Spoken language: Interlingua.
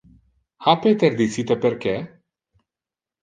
Ha Peter dicite perque?